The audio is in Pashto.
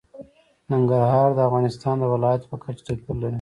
ننګرهار د افغانستان د ولایاتو په کچه توپیر لري.